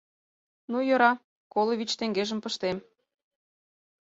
— Ну, йӧра, коло вич теҥгежым пыштем.